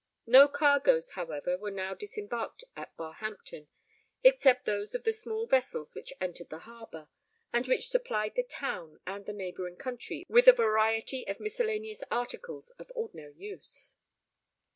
No cargoes, however, were now disembarked at Barhampton, except those of the small vessels which entered the harbour, and which supplied the town and the neighbouring country with a variety of miscellaneous articles of ordinary use.